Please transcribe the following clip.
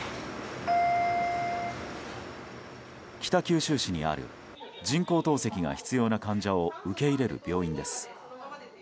北九州市にある人工透析が必要な患者を受け入れる病院です。